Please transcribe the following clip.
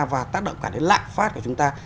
và tác động cả đến lạm phát của chúng ta